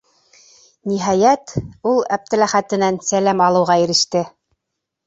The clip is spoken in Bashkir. Ниһайәт, ул Әптеләхәтенән сәләм алыуға иреште.